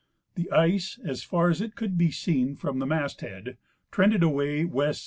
The ice, as far as it could be seen from the mast head, trended away AV. S.